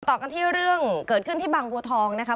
ต่อกันที่เรื่องเกิดขึ้นที่บางบัวทองนะคะ